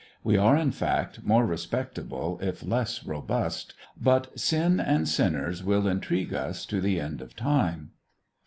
We are, in fact, more respectable if less robust, but sin and sinners will intrigue us to the end of Time.